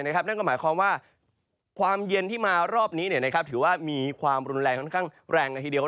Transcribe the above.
นั่นก็หมายความว่าความเย็นที่มารอบนี้ถือว่ามีความรุนแรงค่อนข้างแรงละทีเดียว